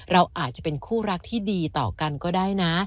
เราอาจจะเป็นคู่รักที่ดีต่อกันก็ได้นะ